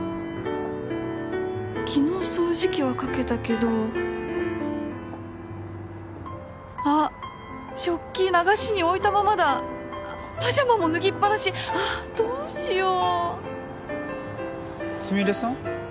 昨日掃除機はかけたけどあっ食器流しに置いたままだパジャマも脱ぎっぱなしあどうしようスミレさん？